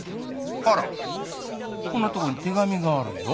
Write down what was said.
「あらこんなとこに手紙があるよ。